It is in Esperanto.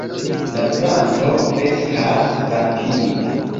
La planto kreskas rapide.